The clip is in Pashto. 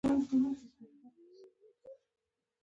دا د شتمن کېدو پر لور لومړی ګام ګڼل کېږي.